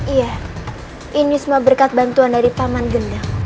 iya ini semua berkat bantuan dari paman gendang